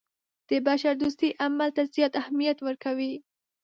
د بشردوستۍ عمل ته زیات اهمیت ورکوي.